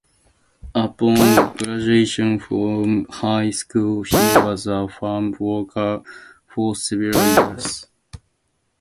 Upon graduation from high school, he was a farm worker for several years.